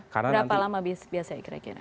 berapa lama biasanya kira kira